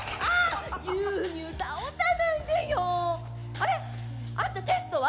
あれあんたテストは！？